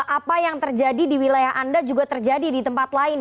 apa yang terjadi di wilayah anda juga terjadi di tempat lain